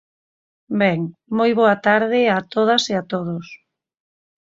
Ben, moi boa tarde a todas e a todos.